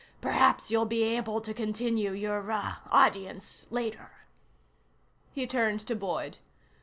Perhaps you'll be able to continue your ah audience later." He turned to Boyd.